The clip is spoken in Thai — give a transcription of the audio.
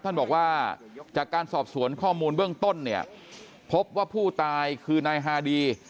ท่านบอกว่าจากการสอบสวนข้อมูลเบื้องต้นเนี่ยพบว่าผู้ตายคือนายฮาดี